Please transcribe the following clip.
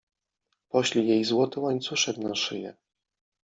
Poślij jej złoty łańcuszek na szyję.